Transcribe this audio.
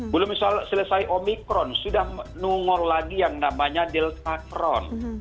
belum selesai omikron sudah menunggul lagi yang namanya deltakron